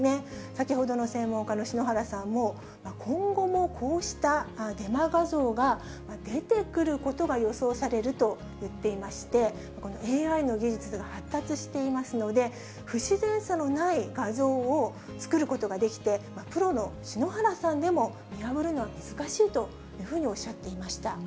先ほどの専門家の篠原さんも、今後もこうしたデマ画像が出てくることが予想されると言っていまして、このＡＩの技術が発達していますので、不自然さのない画像を作ることができて、プロの篠原さんでも、見破るのは難しいというふうにおっしゃっていました。